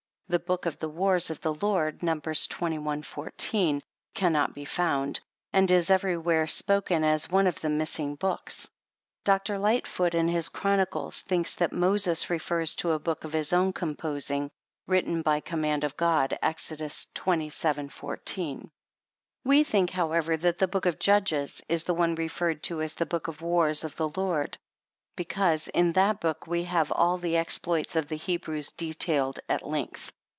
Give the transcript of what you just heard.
The Book of the wars of the Lord (Numbers xxi. 14.) cannot be found, and is every where spoken of as one of the missing books. Dr. Lightfoot, in his Chronicles, thinks that Moses refers to a book of his own compos ing, written by command of God, (Exodus xvii. 14.) We think, however, that the Book of Judges is the one referred to as the Book of the wars of the Lord; because, in that book we have all the exploits of the Hebrews detailed at length.